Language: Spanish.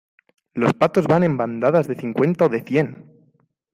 los patos van en bandadas de cincuenta o de cien